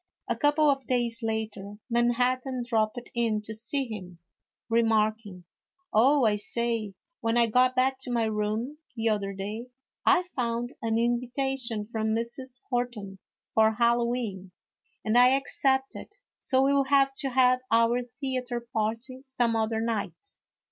A couple of days later Manhattan dropped in to see him, remarking :" Oh, I say, when I got back to my room the other day, I found an invitation from Mrs. Horton for Hallowe'en, and I accepted, so we '11 have to have our theatre party some other night.